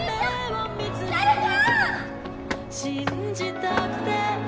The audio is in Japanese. ・・誰か！